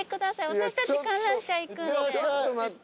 私たち観覧車行くんで。